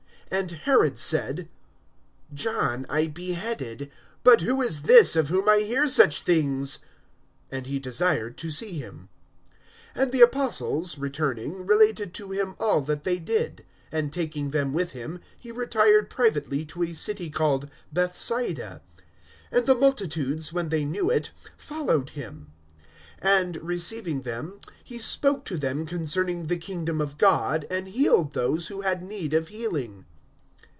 (9)And Herod said: John I beheaded; but who is this, of whom I hear such things? And he desired to see him. (10)And the apostles, returning, related to him all that they did. And taking them with him, he retired privately to a city called Bethsaida. (11)And the multitudes, when they knew it, followed him. And receiving them, he spoke to them concerning the kingdom of God, and healed those who had need of healing.